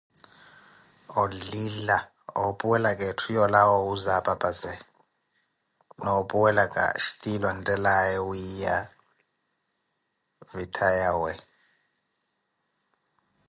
Olila, ophuwelaka eethu yolawa owuuza apapaze, na ophuwelaka xhtilu enthelaye wiiya vitayawe